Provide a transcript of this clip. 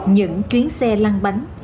những chuyến xe lăn bánh